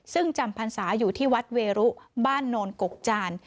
ซึ่งจำพรรษาอยู่ที่วัดเวรุบ้านโนนกกจาน